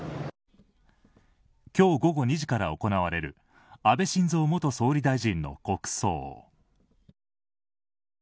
今日午後２時から行われる安倍晋三元総理大臣の国葬。